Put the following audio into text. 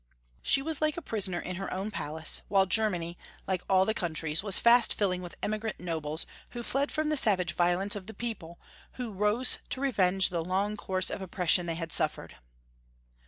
She was like a prisoner in her own palace, while Germany, like all the coun tries, was fast filling with emigrant nobles, who fled from the savage violence of the people, who rose to revenge the long course of oppression they had suffered.